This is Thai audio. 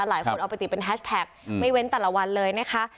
หลายคนเอาไปติดเป็นแฮชแท็กไม่เว้นแต่ละวันเลยนะคะ